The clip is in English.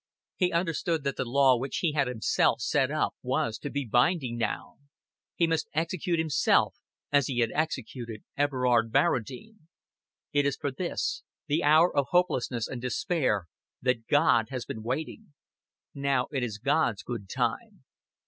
He understood that the law which he had himself set up was to be binding now. He must execute himself, as he had executed Everard Barradine. It is for this, the hour of hopelessness and despair, that God has been waiting. Now it is God's good time.